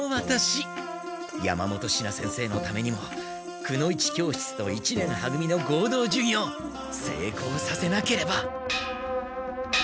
山本シナ先生のためにもくの一教室と一年は組の合同授業せいこうさせなければ。